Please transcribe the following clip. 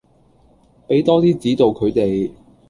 畀多啲指導佢哋